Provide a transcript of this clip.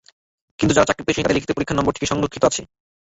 কিন্তু যাঁরা চাকরি পেয়েছেন, তাঁদের লিখিত পরীক্ষার নম্বর ঠিকই সংরক্ষিত আছে।